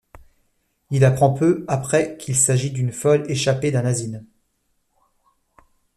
Il apprend peu après qu'il s'agit d'une folle échappée d'un asile.